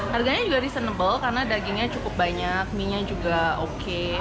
harganya juga reasonable karena dagingnya cukup banyak mie nya juga oke